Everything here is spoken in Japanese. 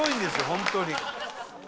ホントに」